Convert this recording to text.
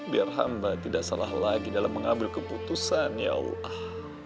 biar hamba tidak salah lagi dalam mengambil keputusan ya allah